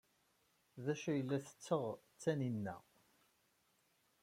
D acu ay la tetteg da Taninna?